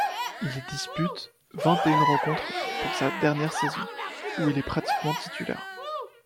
Il y dispute vingt-et-une rencontres pour sa dernière saison, où il est pratiquement titulaire.